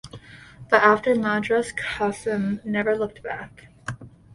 But, after Madras, Khasim never looked back.